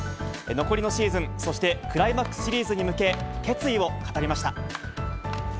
残りのシーズン、そしてクライマックスシリーズに向け、決意を語りました。